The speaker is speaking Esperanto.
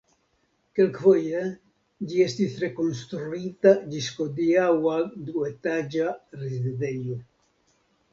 Kelkfoje ĝi estis rekonstruita ĝis hodiaŭa duetaĝa rezidejo.